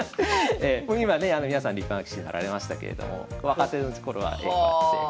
今ね皆さん立派な棋士になられましたけれども若手の頃はこうやって。